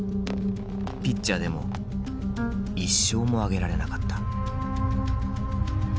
ピッチャーでも１勝もあげられなかった。